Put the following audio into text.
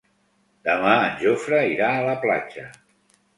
Demà en Jofre irà a la platja.